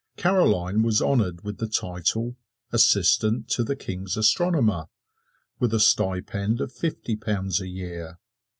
Caroline was honored with the title "Assistant to the King's Astronomer" with the stipend of fifty pounds a year.